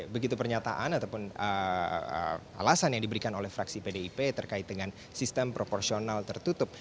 begitu pernyataan ataupun alasan yang diberikan oleh fraksi pdip terkait dengan sistem proporsional tertutup